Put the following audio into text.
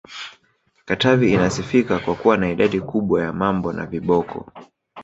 Katavi inasifika kwa kuwa na idadi kubwa ya Mambo na voboko n